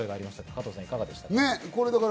加藤さん、いかがですか？